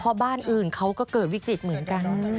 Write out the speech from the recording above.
เพราะบ้านอื่นเขาก็เกิดวิกฤตเหมือนกัน